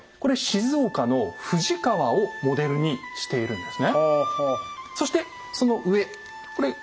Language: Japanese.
三保の松原をモデルにしているんですね。